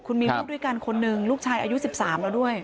คุณมีลูกด้วยกันคนหนึ่งลูกชายอายุ๑๓แล้วด้วย